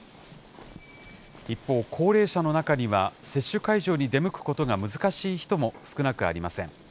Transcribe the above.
一方、高齢者の中には、接種会場に出向くことが難しい人も少なくありません。